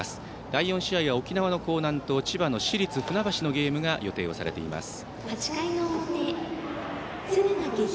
第４試合は沖縄の興南と千葉の市立船橋のゲームが予定されています。